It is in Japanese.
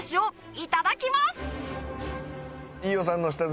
いただきます！